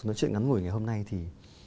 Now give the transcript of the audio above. nói chuyện ngắn ngủi ngày hôm nay thì